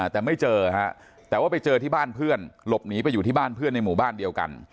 แต่ไม่เจอฮะแต่ว่าไปเจอที่บ้านเพื่อนหลบหนีไปอยู่ที่บ้านเพื่อนในหมู่บ้านเดียวกัน